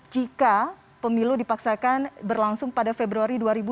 jika pemilu dipaksakan berlangsung pada februari dua ribu dua puluh